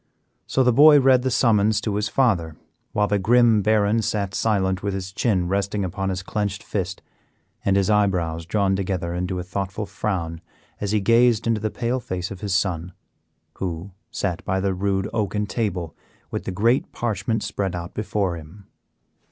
So the boy read the summons to his father, while the grim Baron sat silent with his chin resting upon his clenched fist and his eyebrows drawn together into a thoughtful frown as he gazed into the pale face of his son, who sat by the rude oaken table with the great parchment spread out before him.